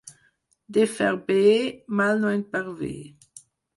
De fer bé, mal no en pervé.